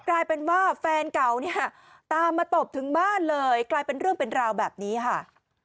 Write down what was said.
กลายเป็นว่าแฟนเก่าเนี่ยตามมาตบถึงบ้านเลยกลายเป็นเรื่องเป็นราวแบบนี้ค่ะ